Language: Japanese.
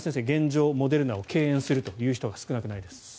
現状、モデルナを敬遠するという人が少なくないです。